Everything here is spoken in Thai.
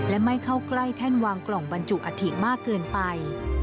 และไม่เข้าใกล้แท่นวางกล่องบรรจุอัฐิมากเกินไป